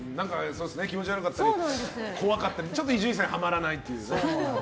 気持ち悪かったり怖かったりちょっと伊集院さんにハマらなかったり。